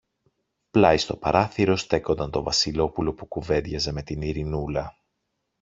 Πλάι στο παράθυρο στέκονταν το Βασιλόπουλο που κουβέντιαζε με την Ειρηνούλα